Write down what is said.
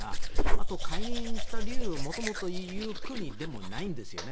あと、解任した理由をもともと言う国でもないんですよね